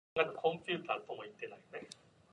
Senator Paul Sarbanes.